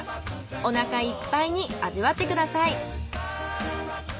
おなかいっぱいに味わってください。